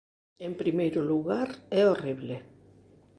En primeiro lugar, é horrible.